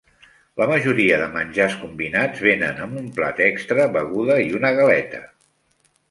La majoria de menjars combinats venen amb un plat extra, beguda i una galeta.